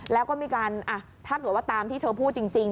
แล้วก็มีการถ้าเกิดว่าตามที่เธอพูดจริง